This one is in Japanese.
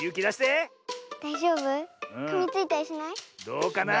どうかな？